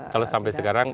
kalau sampai sekarang